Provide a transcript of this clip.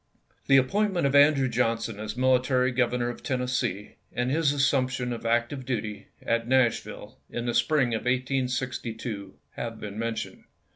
T 1 1HE appointment of Andrew Johnson as mili J tary governor of Tennessee, and his assump tion of active duty, at Nashville, in the spring of 1862, have been mentioned.